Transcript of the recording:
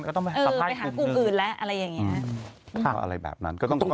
ก็ต้องไปสัมภัยคุณหนึ่งค่ะค่ะอะไรแบบนั้นก็ต้องไปไล่